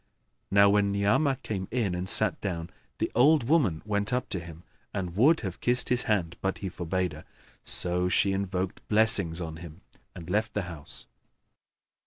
Now when Ni'amah came in and sat down, the old woman went up to him and would have kissed his hand, but he forbade her; so she invoked blessings[FN#9] on him and left the house.